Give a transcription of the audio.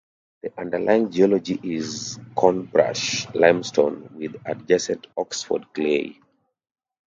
The underlying geology is Cornbrash limestone, with adjacent Oxford clay.